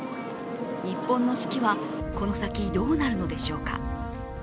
日本の四季はこの先どうなるのでしょうか。